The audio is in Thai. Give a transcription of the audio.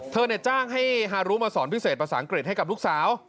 จ้างให้ฮารุมาสอนพิเศษภาษาอังกฤษให้กับลูกสาว